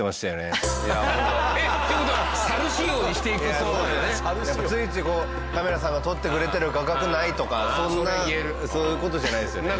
えっ？という事はやっぱついついカメラさんが撮ってくれてる画角内とかそんなそういう事じゃないんですよね。